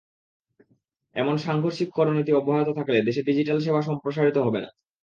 এমন সাংঘর্ষিক করনীতি অব্যাহত থাকলে দেশে ডিজিটাল সেবা সম্প্রসারিত হবে না।